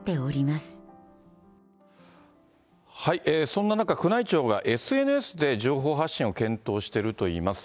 そんな中、宮内庁がＳＮＳで情報発信を検討しているといいます。